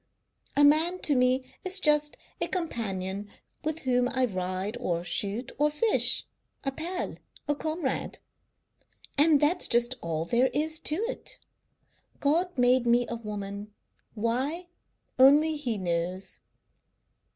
A man to me is just a companion with whom I ride or shoot or fish; a pal, a comrade, and that's just all there is to it. God made me a woman. Why, only He knows."